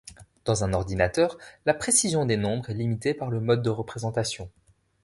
Dans un ordinateur, la précision des nombres est limitée par le mode de représentation.